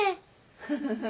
フフフ。